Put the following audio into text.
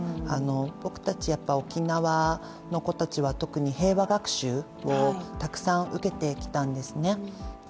僕たち、沖縄の子たちは特に平和学習をたくさん受けてきたんですね。